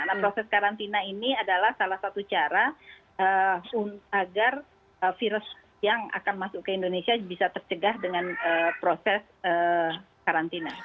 nah proses karantina ini adalah salah satu cara agar virus yang akan masuk ke indonesia bisa tercegah dengan proses karantina